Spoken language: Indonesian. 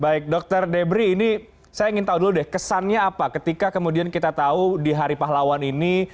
baik dokter debri ini saya ingin tahu dulu deh kesannya apa ketika kemudian kita tahu di hari pahlawan ini